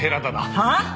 はあ！？